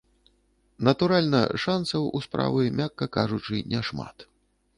Натуральна, шанцаў у справы, мякка кажучы, няшмат.